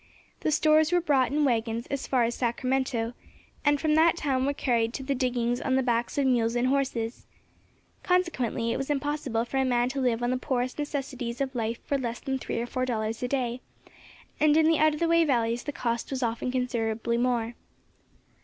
The stores were brought in waggons as far as Sacramento, and from that town were carried to the diggings on the backs of mules and horses. Consequently it was impossible for a man to live on the poorest necessities of life for less than three or four dollars a day, and in the out of the way valleys the cost was often considerably more.